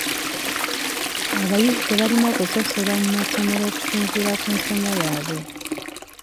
Abayizi tebalina okusosolwa mu masomero okusinziira ku nsoma yaabwe.